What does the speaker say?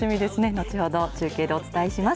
後ほど中継でお伝えします。